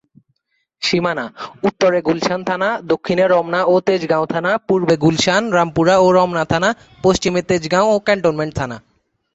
সীমানা: উত্তরে গুলশান থানা, দক্ষিণে রমনা ও তেজগাঁও থানা, পূর্বে গুলশান, রামপুরা ও রমনা থানা, পশ্চিমে তেজগাঁও ও ক্যান্টনমেন্ট থানা।